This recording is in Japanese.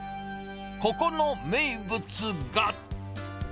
ここの名物が。